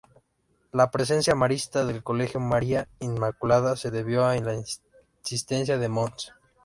La presencia marista del Colegio María Inmaculada se debió a la insistencia de Mons.